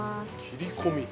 切り込み？